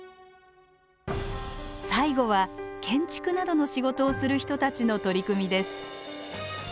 最後は建築などの仕事をする人たちの取り組みです。